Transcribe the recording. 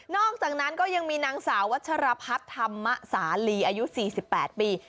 อกจากนั้นก็ยังมีนางสาววัชรพัฒน์ธรรมสาลีอายุ๔๘ปี